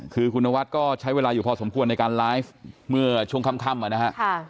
คือคุณนวัดก็ใช้เวลาอยู่พอสมควรในการไลฟ์เมื่อช่วงค่ำนะฮะ